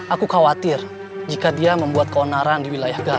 aku khawatir jika dia membuat keonaran di wilayah garut